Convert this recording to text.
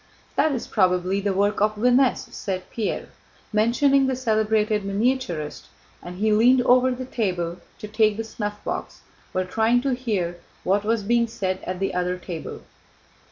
"That is probably the work of Vinesse," said Pierre, mentioning a celebrated miniaturist, and he leaned over the table to take the snuffbox while trying to hear what was being said at the other table.